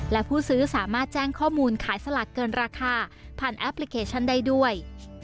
และผู้ซื้อสามารถแจ้งข้อมูลขายสลากเกินราคาผ่านแอปพลิเคชันได้ด้วย